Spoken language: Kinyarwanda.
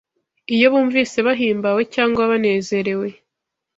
Iyo bumvise bahimbawe cyangwa banezerewe